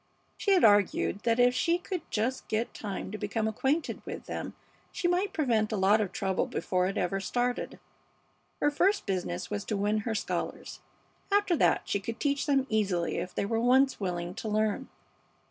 She had argued that if she could just get time to become acquainted with them she might prevent a lot of trouble before it ever started. Her first business was to win her scholars. After that she could teach them easily if they were once willing to learn.